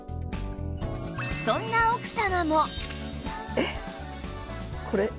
そんな奥様も